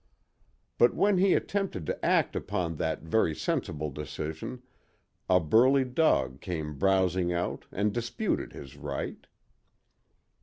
But when he attempted to act upon that very sensible decision a burly dog came bowsing out and disputed his right.